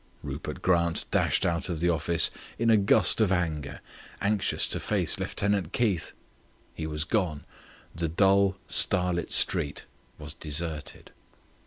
Rupert Grant dashed out of the office in a gust of anger, anxious to face Lieutenant Keith. He was gone. The dull, starlit street was deserted.